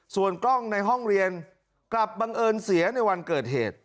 ส่วนกล้องในห้องเรียนกลับบังเอิญเสียในวันเกิดเหตุ